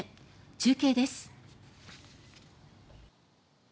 中継です。